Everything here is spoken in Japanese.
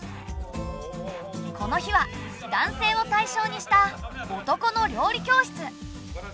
この日は男性を対象にした「男の料理教室」。